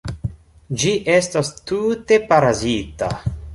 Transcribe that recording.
Ĝi estas tute parazita.